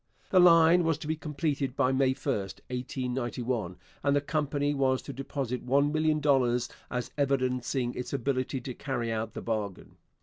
The line was to be completed by May 1, 1891, and the company was to deposit one million dollars as evidencing its ability to carry out the bargain.